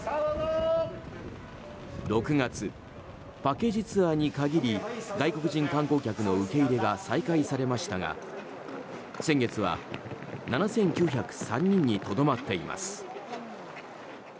６月、パッケージツアーに限り外国人観光客の受け入れが再開されましたが先月は７９０３人にとどまっています。